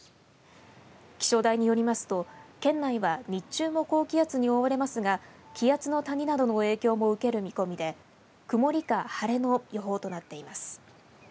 気象台によりますと県内は日中の高気圧に覆われますが気圧の谷などの影響も受ける見込みで曇りか晴れの予報となっています。